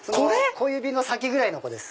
小指の先ぐらいの子です。